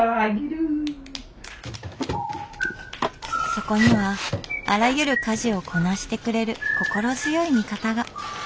そこにはあらゆる家事をこなしてくれる心強い味方が。